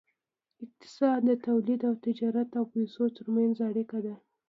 اقتصاد د تولید او تجارت او پیسو ترمنځ اړیکه ده.